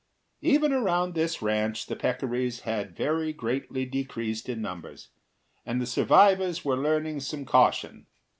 Even around this ranch the peccaries had very greatly decreased in numbers, and the survivors were learning some caution.